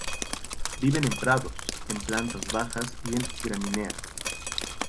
Viven en prados, en plantas bajas y en gramíneas.